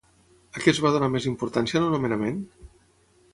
A què es va donar més importància en el nomenament?